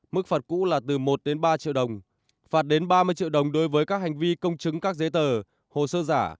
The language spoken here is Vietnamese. mức phạt cũ là từ một đến ba triệu đồng phạt đến ba mươi triệu đồng đối với các hành vi công chứng các giấy tờ hồ sơ giả